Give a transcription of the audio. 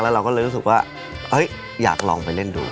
ดูสูงสุดอันนี้มากแล้วก็เลยรู้สึกว่าอยากลองไปเล่นดู